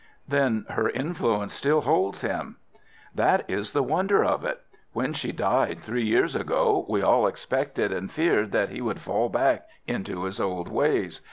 "Then her influence still holds him?" "That is the wonder of it. When she died three years ago, we all expected and feared that he would fall back into his old ways.